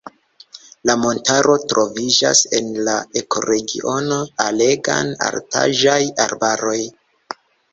La montaro troviĝas en la ekoregiono alegan-altaĵaj arbaroj.